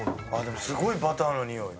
すごいバターのにおい。